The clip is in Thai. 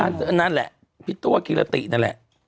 อันนั้นแหละพี่ตัวกินละตินั่นแหละ